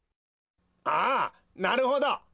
ああなるほど。